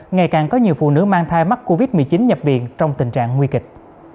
ngày càng có nhiều phụ nữ mang thai mắc covid một mươi chín nhập viện trong tình trạng nguy kịch